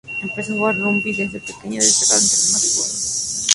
Empezó a jugar a rugby desde pequeño, destacando entre los demás jugadores.